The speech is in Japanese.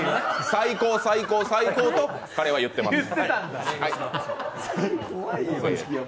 最高、最高、最高と彼は言っています。